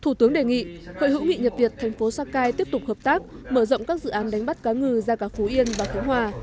thủ tướng đề nghị hội hữu nghị nhật việt thành phố sakai tiếp tục hợp tác mở rộng các dự án đánh bắt cá ngừ ra cả phú yên và khánh hòa